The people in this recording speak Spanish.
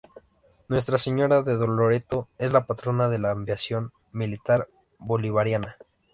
Nuestra Señora de Loreto, es la Patrona de la Aviación Militar Bolivariana.